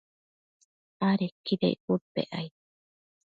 adequida icbudpec aid